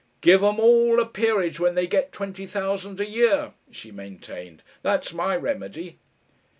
"Give 'um all a peerage when they get twenty thousand a year," she maintained. "That's my remedy."